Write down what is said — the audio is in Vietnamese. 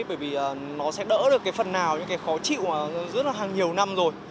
bởi vì nó sẽ đỡ được cái phần nào những cái khó chịu mà rất là hàng nhiều năm rồi